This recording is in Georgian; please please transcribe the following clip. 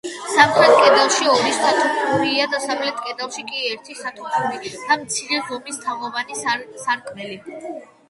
სამხრეთ კედელში ორი სათოფურია, დასავლეთ კედელში კი, ერთი სათოფური და მცირე ზომის თაღოვანი სარკმელი.